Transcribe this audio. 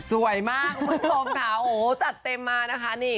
สวยมากคุณผู้ชมค่ะโหจัดเต็มมานะคะนี่